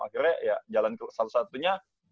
akhirnya ya jalan satu satunya